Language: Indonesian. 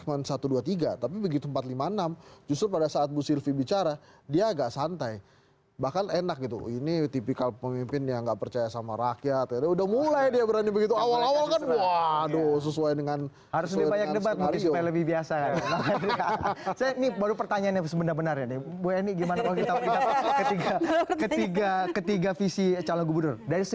atau masih bocoran tidak ada